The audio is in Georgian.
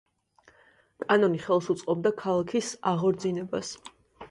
კანონი ხელს უწყობდა ქალაქის აღორძინებას.